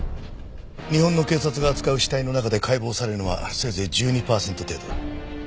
日本の警察が扱う死体の中で解剖されるのはせいぜい１２パーセント程度だ。